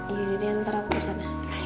yaudah deh ntar aku kesana